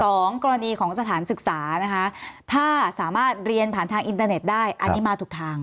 สองกรณีของสถานศึกษานะคะถ้าสามารถเรียนผ่านทางอินเตอร์เน็ตได้อันนี้มาถูกทาง